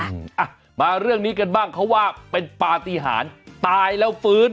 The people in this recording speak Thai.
อ่ะมาเรื่องนี้กันบ้างเขาว่าเป็นปฏิหารตายแล้วฟื้น